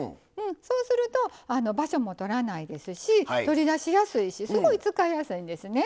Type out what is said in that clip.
そうすると場所も取らないですし取り出しやすいしすごい使いやすいんですね。